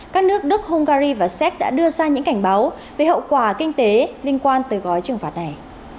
các nước đức hungary và séc đã đưa ra những cảnh báo về hậu quả kinh tế liên quan tới gói trừng phạt này